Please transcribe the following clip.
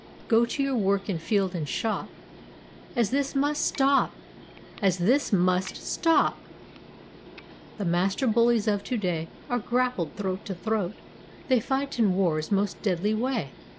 "Go to your work in field and shop. As this must stop! As this must stopT The master bullies of today Are grappled throat to throat; They fight in wars most deadly way.